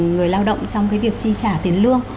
người lao động trong việc chi trả tiền lương